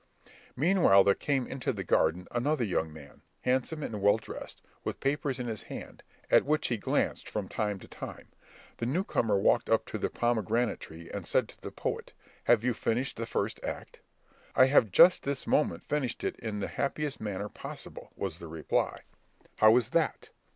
Meanwhile there came into the garden another young man, handsome and well dressed, with papers in his hand, at which he glanced from time to time. The new comer walked up to the pomegranate tree, and said to the poet, "Have you finished the first act?" "I have just this moment finished it in the happiest manner possible," was the reply. "How is that?"